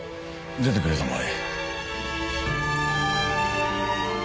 出てくれたまえ。